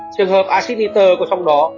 trường hợp acid liter có trong đó